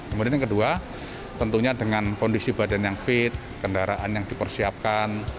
kemudian yang kedua tentunya dengan kondisi badan yang fit kendaraan yang dipersiapkan